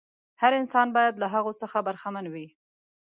هر انسان باید له هغو څخه برخمن وي.